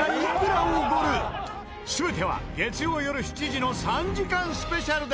全ては月曜よる７時の３時間スペシャルで！